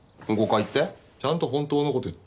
ちゃんと本当の事言った？